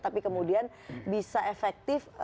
tapi kemudian bisa efektif